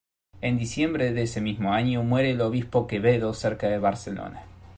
En diciembre de ese mismo año muere el obispo Quevedo cerca de Barcelona.